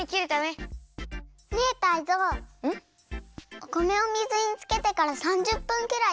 お米を水につけてから３０分くらいたったよ！